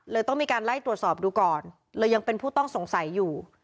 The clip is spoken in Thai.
ต้องมีการไล่ตรวจสอบดูก่อนเลยยังเป็นผู้ต้องสงสัยอยู่